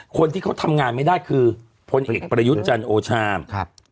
คนที่เขาทำงานไม่ได้คือพลเอกประยุทธ์จันทร์โอชาครับ